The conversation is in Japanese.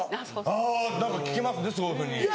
あぁ何か聞きますねそういうふうに。